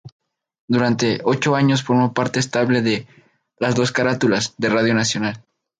Durante ocho años formó parte estable de "Las Dos Carátulas" de Radio Nacional.